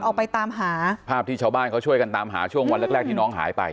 ออกไปตามหาภาพที่ชาวบ้านเขาช่วยกันตามหาช่วงวันแรกแรกที่น้องหายไป